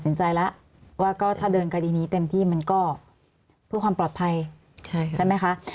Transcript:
ใจแล้วว่าก็ถ้าเดินคดีนี้เต็มที่มันก็เพื่อความปลอดภัยใช่ไหมคะ